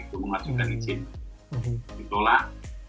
mengajukan izin ditolak